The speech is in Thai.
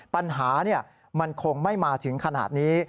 ปัญหามันคงไม่มาถึงขนาดนี้